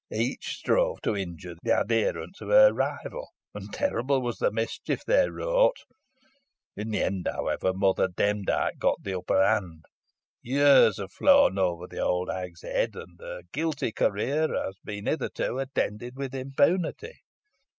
Each strove to injure the adherents of her rival and terrible was the mischief they wrought. In the end, however, Mother Demdike got the upper hand. Years have flown over the old hag's head, and her guilty career has been hitherto attended with impunity.